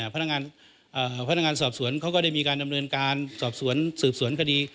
พนักงานพนักงานสอบสวนเขาก็ได้มีการดำเนินการสอบสวนสืบสวนคดี